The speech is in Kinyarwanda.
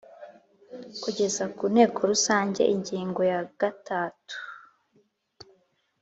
Kugeza ku Nteko Rusange ingingo ya gatatu